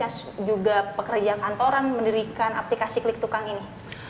yang juga pekerja kantoran mendirikan aplikasi klik tukang ini